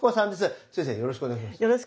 よろしくお願いします。